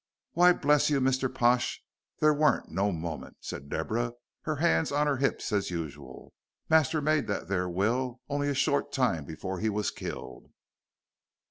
"Why, bless you, Mr. Pash, there weren't no moment," said Deborah, her hands on her hips as usual. "Master made that there will only a short time before he was killed."